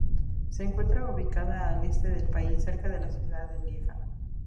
Se encuentra ubicada al este del país, cerca de la ciudad de Lieja.